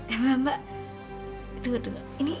eh mbak mbak tunggu tunggu